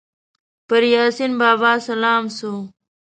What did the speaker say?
پر یاسین بابا سلام سو